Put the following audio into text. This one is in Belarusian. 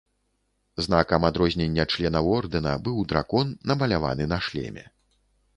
Знакам адрознення членаў ордэна быў дракон, намаляваны на шлеме.